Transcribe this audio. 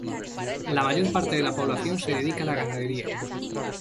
La mayor parte de la población se dedica a la ganadería.